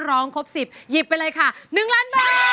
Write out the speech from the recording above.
ครบ๑๐หยิบไปเลยค่ะ๑ล้านบาท